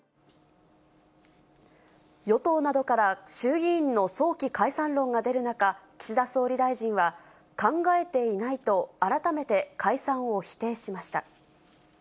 与党などから衆議院の早期解散論が出る中、岸田総理大臣は、考えていないと改めて解散を否定しました。